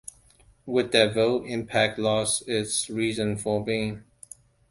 With that vote, Impact lost its reason for being.